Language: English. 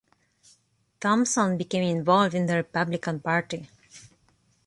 Thomson became involved in the Republican Party.